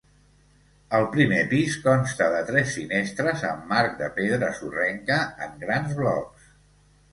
El primer pis consta de tres finestres amb marc de pedra sorrenca en grans blocs.